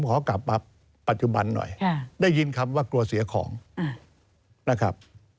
ขอกลับมาปัจจุบันหน่อยได้ยินคำว่ากลัวเสียของนะครับ